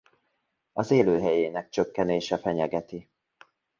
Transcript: Az élőhelyének csökkenése fenyegeti.